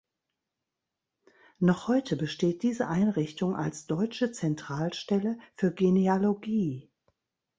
Noch heute besteht diese Einrichtung als Deutsche Zentralstelle für Genealogie.